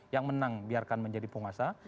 yang menang biarkan menjadi penguasa